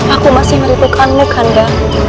aku masih merindukanmu kanda